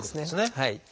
はい。